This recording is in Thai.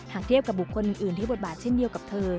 เทียบกับบุคคลอื่นที่บทบาทเช่นเดียวกับเธอ